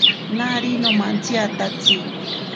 Nari nomantsiatatsi.